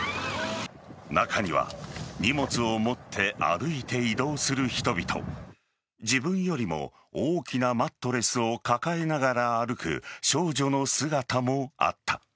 中には荷物を持って歩いて移動する人々自分よりも大きなマットレスを抱えながら歩く少女の姿もあった。